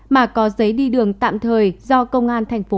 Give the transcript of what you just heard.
mà có giấy đi đường tạm thời do công an tp hcm quy định